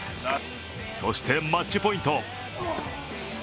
そしてマッチポイント。